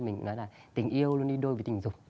mình nói là tình yêu luôn đi đôi với tình dục